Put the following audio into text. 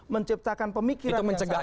menciptakan pemikiran yang salah